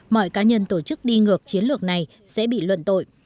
mọi cá nhân tổ chức đi ngược chiến lược này sẽ bị luận tội